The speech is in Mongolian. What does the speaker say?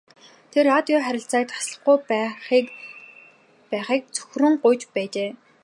Тэд радио харилцааг таслахгүй байхыг цөхрөн гуйж байжээ.